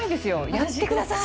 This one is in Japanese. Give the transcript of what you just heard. やってください！